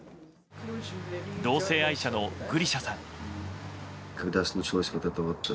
同性愛者のグリシャさん。